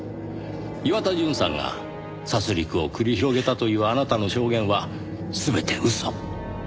岩田純さんが殺戮を繰り広げたというあなたの証言は全て嘘。